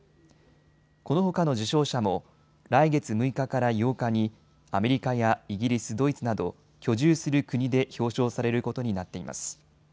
このほかの受賞者も来月６日から８日にアメリカやイギリス、ドイツなど居住する国で表彰されることになっています。